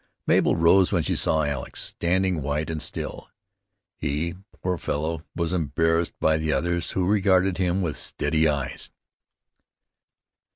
Mabel rose when she saw Alex, standing white and still. He, poor fellow, was embarrassed by the others, who regarded him with steady eyes.